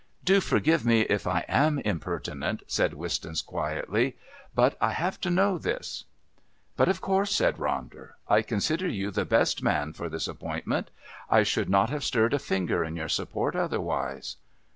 "Do forgive me if I am impertinent," said Wistons quietly, "but I have to know this." "But of course," said Ronder, "I consider you the best man for this appointment. I should not have stirred a finger in your support otherwise."